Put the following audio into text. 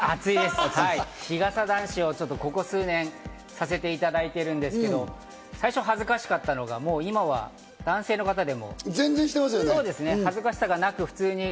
日傘男子をここ数年、させていただいているんですけど、最初恥ずかしかったのが、もう今は男性の方でも恥ずかしさがなく、普通に。